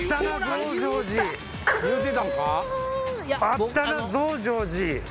あったな増上寺。